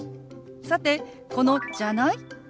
さてこの「じゃない？」。